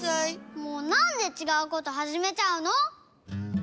もうなんでちがうことはじめちゃうの？